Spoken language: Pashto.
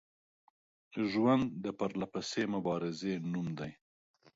ژوند د پرلپسې مبارزې نوم دی